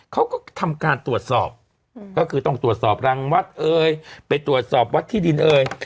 เขาก็ทำการตรวจสอบก็คือต้องตรวจสอบรังวัดเอ่ยไปตรวจสอบวัดที่ดินเอ่ย